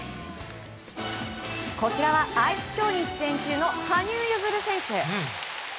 こちらはアイスショーに出演中の羽生結弦選手。